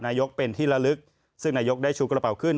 ยกเป็นที่ละลึกซึ่งนายกได้ชูกระเป๋าขึ้น